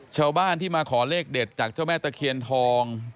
ชาวบ้านที่มาขอเลขเด็ดจากเจ้าแม่ตะเคียนทอง